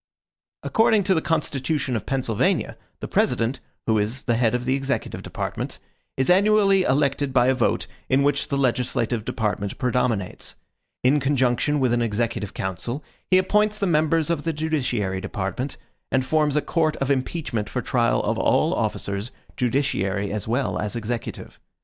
According to the constitution of Pennsylvania, the president, who is the head of the executive department, is annually elected by a vote in which the legislative department predominates. In conjunction with an executive council, he appoints the members of the judiciary department, and forms a court of impeachment for trial of all officers, judiciary as well as executive.